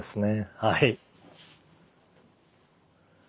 はい。